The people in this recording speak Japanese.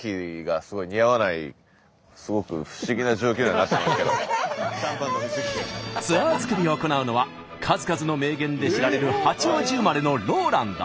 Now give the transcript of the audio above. はい今ねツアー作りを行うのは数々の名言で知られる八王子生まれのＲＯＬＡＮＤ。